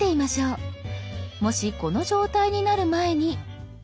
もしこの状態になる前に。